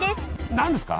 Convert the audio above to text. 何ですか？